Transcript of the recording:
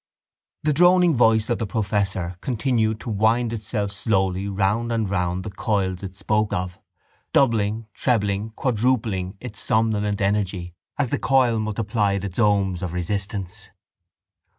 The droning voice of the professor continued to wind itself slowly round and round the coils it spoke of, doubling, trebling, quadrupling its somnolent energy as the coil multiplied its ohms of resistance.